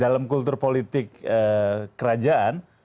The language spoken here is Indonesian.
dalam kultur politik kerajaan